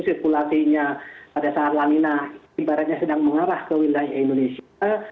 sirkulasinya pada saat lanina ibaratnya sedang mengarah ke wilayah indonesia